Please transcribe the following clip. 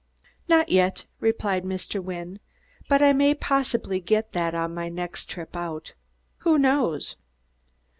"Not yet," replied Mr. Wynne, "but I may possibly get that on my next trip out. Who knows?"